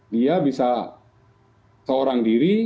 dia bisa seorang diri